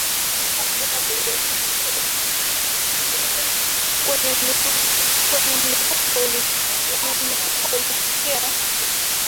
kwenye mlipuko ulitokea kwenye Ubalozi wao mwaka elfumoja miatisa themanini na bnane